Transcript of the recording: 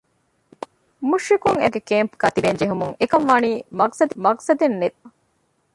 މުޝްރިކުން އެބައިމީހުންގެ ކޭމްޕުގައި ތިބޭން ޖެހުމުން އެކަންވާނީ މަޤްޞަދެއްނެތް ތިބުމަކަށް